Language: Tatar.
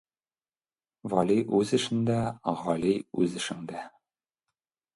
Вәли үз эшендә, Гали үз эшендә.